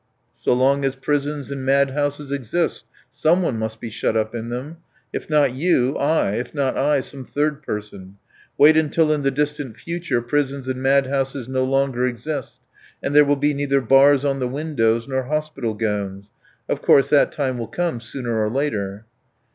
"So long as prisons and madhouses exist someone must be shut up in them. If not you, I. If not I, some third person. Wait till in the distant future prisons and madhouses no longer exist, and there will be neither bars on the windows nor hospital gowns. Of course, that time will come sooner or later."